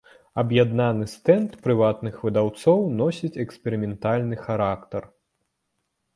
Аб'яднаны стэнд прыватных выдаўцоў носіць эксперыментальны характар.